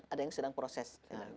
ada yang sedang proses